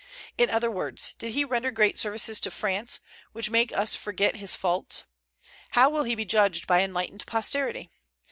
In other words, did he render great services to France, which make us forget his faults? How will he be judged by enlightened posterity?